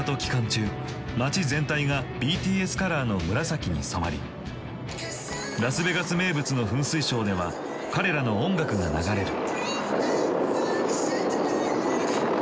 中街全体がＢＴＳカラーの紫に染まりラスベガス名物の噴水ショーでは彼らの音楽が流れる。